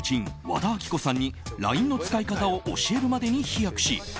和田アキ子さんにＬＩＮＥの使い方を教えるまでに飛躍しｉＰｈｏｎｅ